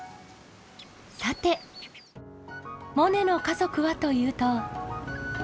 さてモネの家族はというと。